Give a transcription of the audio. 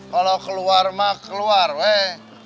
kalau keluar mah keluar weh